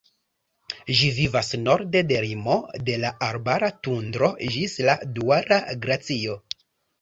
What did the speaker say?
Ĝi vivas norde de limo de la arbara tundro ĝis la daŭra glacio.